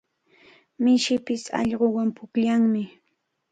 Mishipish allquwan pukllanmi.